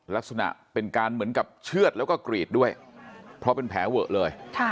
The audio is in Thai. ลักษณะเป็นการเหมือนกับเชื่อดแล้วก็กรีดด้วยเพราะเป็นแผลเวอะเลย